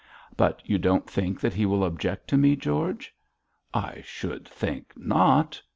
'But you don't think that he will object to me, George?' 'I should think not!'